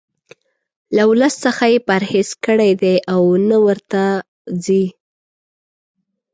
له ولس څخه یې پرهیز کړی دی او نه ورته ځي.